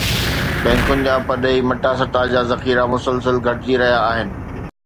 بئنڪن جا پرڏيهي مٽا سٽا جا ذخيرا مسلسل گهٽجي رهيا آهن